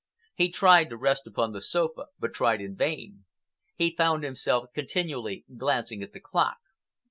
He tried to rest upon the sofa, but tried in vain. He found himself continually glancing at the clock.